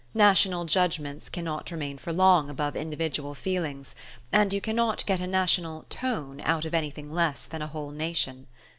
National judgments cannot remain for long above individual feelings; and you cannot get a national "tone" out of anything less than a whole nation.